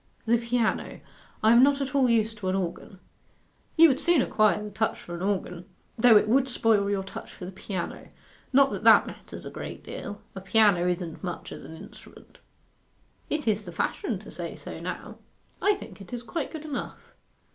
'The piano. I am not at all used to an organ.' 'You would soon acquire the touch for an organ, though it would spoil your touch for the piano. Not that that matters a great deal. A piano isn't much as an instrument.' 'It is the fashion to say so now. I think it is quite good enough.